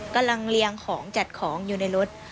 กำลังเรียงของจัดของอยู่ในรถ